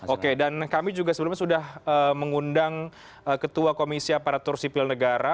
oke dan kami juga sebelumnya sudah mengundang ketua komisi aparatur sipil negara